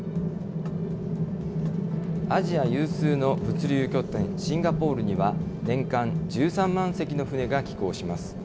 アジア有数の物流拠点、シンガポールには、年間１３万隻の船が寄港します。